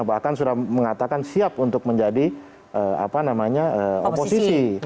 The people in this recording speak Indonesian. bahkan sudah mengatakan siap untuk menjadi apa namanya oposisi